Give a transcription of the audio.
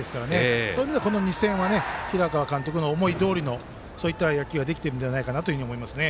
そういう意味では、この２戦は平川監督の思いどおりの野球ができているのかなと思いますね。